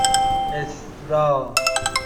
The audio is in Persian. اِسرا